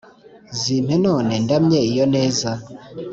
zimpe none ndamye iyo neza,